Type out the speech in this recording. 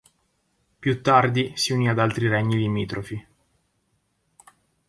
Più tardi, si unì ad altri regni limitrofi.